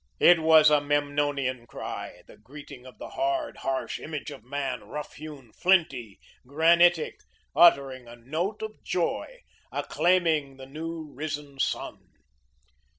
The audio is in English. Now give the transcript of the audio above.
It was a Memnonian cry, the greeting of the hard, harsh image of man, rough hewn, flinty, granitic, uttering a note of joy, acclaiming the new risen sun.